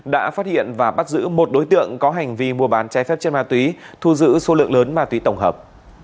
đã phát hiện và bắt giữ một đối tượng có hành vi mua bán trái phép trên ma túy thu giữ số lượng lớn ma túy tổng hợp